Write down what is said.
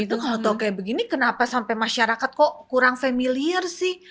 itu kalau tau kayak begini kenapa sampai masyarakat kok kurang familiar sih